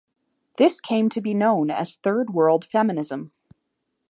This came to be known as Third World feminism.